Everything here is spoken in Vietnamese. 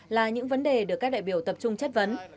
là những vấn đề được các đại biểu tập trung chất vấn